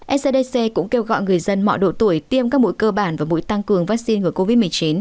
scdc cũng kêu gọi người dân mọi độ tuổi tiêm các mũi cơ bản và mũi tăng cường vaccine ngừa covid một mươi chín